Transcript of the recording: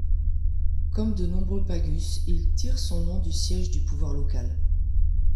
Comme de nombreux pagus, il tire son nom du siège du pouvoir local.